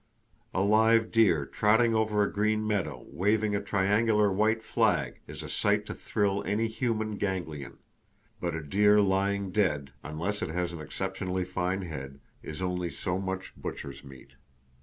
A live deer trotting over a green meadow, waving a triangular white flag, is a sight to thrill any human ganglion; but a deer lying dead, —unless it has an exceptionally fine head,—is only so much butcher's meat.